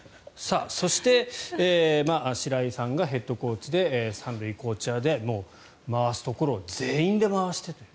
そして白井さんがヘッドコーチで３塁コーチャーで回すところを全員で回してという。